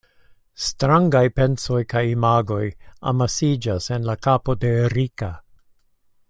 Strangaj pensoj kaj imagoj amasiĝas en la kapo de Rika.